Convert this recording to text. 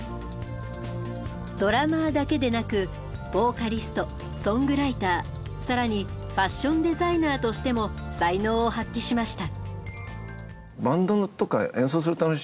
ドラマーだけでなくボーカリストソングライター更にファッションデザイナーとしても才能を発揮しました。